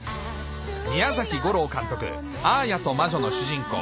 宮崎吾朗監督『アーヤと魔女』の主人公